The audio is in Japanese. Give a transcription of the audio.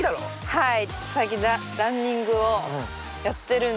はい。